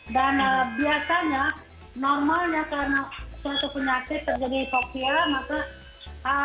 dan biasanya normalnya karena suatu penyakit terjadi hypoxia maka